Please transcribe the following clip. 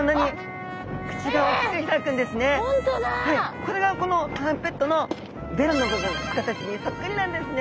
これがトランペットのベルの部分の形にそっくりなんですね。